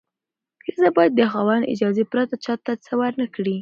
ښځه باید د خاوند اجازې پرته چا ته څه ورنکړي.